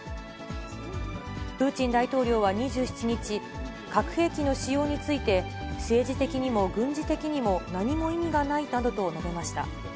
プーチン大統領は２７日、核兵器の使用について、政治的にも軍事的にも、何も意味がないなどと述べました。